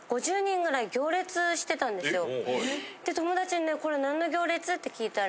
で友達に「これ何の行列？」って聞いたら。